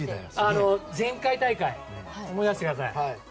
前回大会、思い出してください。